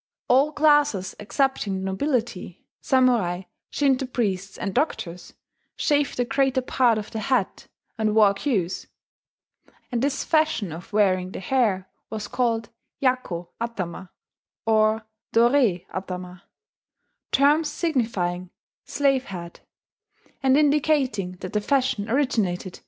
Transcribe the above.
all classes excepting the nobility, samurai, Shinto priests, and doctors, shaved the greater part of the head, and wore queues; and this fashion of wearing the hair was called yakko atama or dorei atama terms signifying "slave head," and indicating that the fashion originated in a period of servitude.